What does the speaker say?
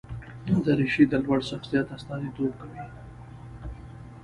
دریشي د لوړ شخصیت استازیتوب کوي.